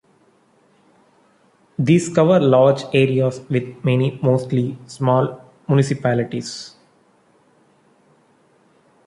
These cover large areas with many, mostly small, municipalities.